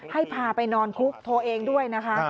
ให้พาไปนอนคุกโทรเองด้วยนะคะ